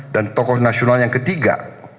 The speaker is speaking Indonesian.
dan tokoh nasional yang ketiga